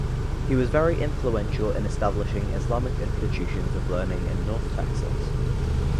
He was very influential in establishing Islamic institutions of learning in North Texas.